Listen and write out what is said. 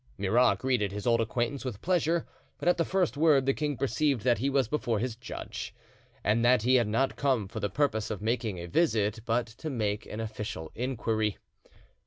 Murat greeted his old acquaintance with pleasure; but at the first word the king perceived that he was before his judge, and that he had not come for the purpose of making a visit, but to make an official inquiry.